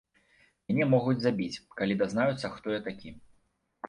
Мяне могуць забіць, калі дазнаюцца, хто я такі.